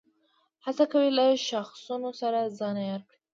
هڅه کوي له شاخصونو سره ځان عیار کړي.